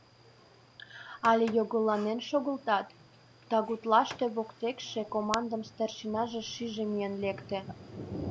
Але йогыланен шогылтат?! — тыгутлаште воктекше командын старшинаже шижде миен лекте.